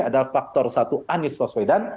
ada faktor satu anis faswedan